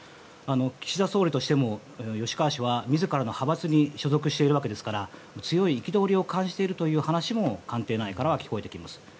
岸田総理としても吉川氏は自らの派閥に所属しているわけですから強い憤りを感じているという話も官邸内からは聞こえてきます。